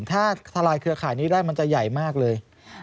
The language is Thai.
ถ้าทลายเครือข่ายนี้ได้มันจะใหญ่มากเลย